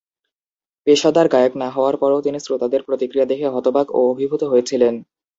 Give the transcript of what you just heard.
পেশাদার গায়ক না হওয়ার পর তিনি শ্রোতাদের প্রতিক্রিয়া দেখে হতবাক ও অভিভূত হয়েছিলেন।